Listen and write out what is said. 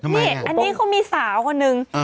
นี่อันนี้เขามีสาวคนนึง